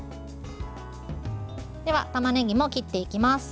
では、たまねぎも切っていきます。